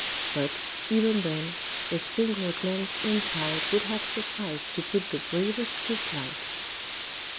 But, even then, a single glance inside would have sufficed to put the bravest to flight.